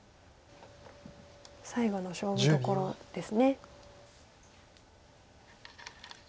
最後の勝負どころです。